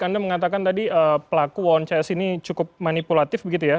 anda mengatakan tadi pelaku wawon cs ini cukup manipulatif begitu ya